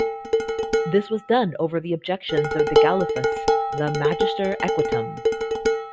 This was done over the objections of Dagalaifus, the "magister equitum".